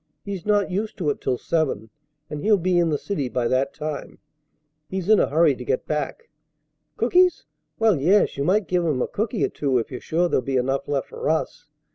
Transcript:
He's not used to it till seven, and he'll be in the city by that time. He's in a hurry to get back. Cookies? Well, yes, you might give him a cooky or two if you're sure there'll be enough left for us.